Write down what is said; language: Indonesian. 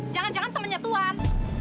jangan jangan temennya tuhan